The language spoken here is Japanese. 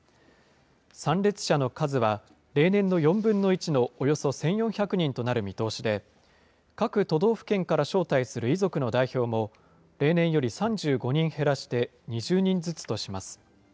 参列者の数は、例年の４分の１のおよそ１４００人となる見通しで、各都道府県から招待する遺族の代表も、例年より３５人減らして２０人ずつとします。